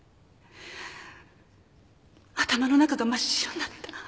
頭の中が真っ白になった。